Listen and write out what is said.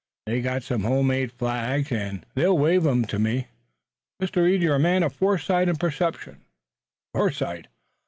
They've got some home made flags, an' they'll wave 'em to me." "Mr. Reed, you're a man of foresight and perception." "Foresight?